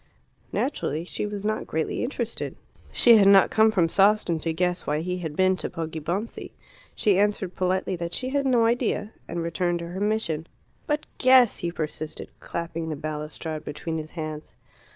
Naturally she was not greatly interested. She had not come from Sawston to guess why he had been to Poggibonsi. She answered politely that she had no idea, and returned to her mission. "But guess!" he persisted, clapping the balustrade between his hands.